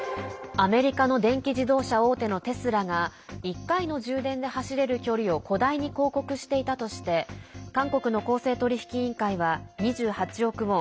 アメリカの電気自動車大手のテスラが１回の充電で走れる距離を誇大に広告していたとして韓国の公正取引委員会は２８億ウォン